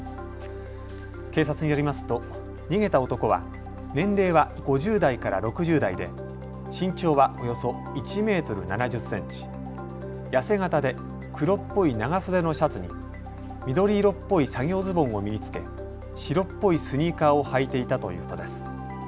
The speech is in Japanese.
警察によりますと逃げた男は年齢は５０代から６０代で身長はおよそ１メートル７０センチ、痩せ形で黒っぽい長袖のシャツに緑色っぽい作業ズボンを身につけ白っぽいスニーカーを履いていたということです。